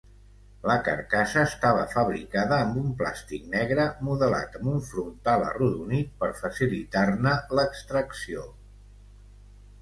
La carcassa estava fabricada amb un plàstic negre modelat amb un frontal arrodonit per facilitar-ne l'extracció.